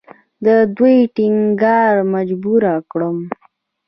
د دوی ټینګار مجبوره کړم.